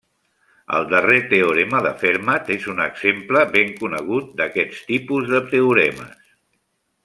El darrer teorema de Fermat és un exemple ben conegut d'aquest tipus de teoremes.